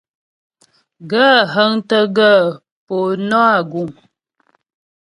Gaə̂ hə́ŋtə́ gaə̂ po nɔ́ a guŋ ?